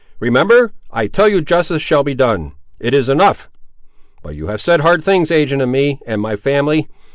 Remember; I tell you justice shall be done; it is enough. But you have said hard things ag'in me and my family.